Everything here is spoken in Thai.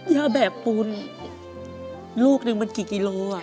ถ้าแบกปูนลูกนึงมันกี่กิโล